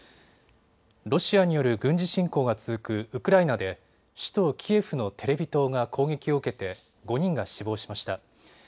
ロシアによる軍事侵攻が続くウクライナで首都キエフのテレビ塔が攻撃を受けて５人が死亡しました。